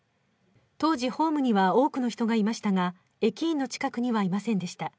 当時、ホームには多くの人がいましたが駅員の近くにはいませんでした。